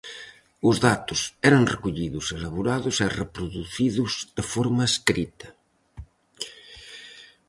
Os datos eran recollidos, elaborados e reproducidos de forma escrita.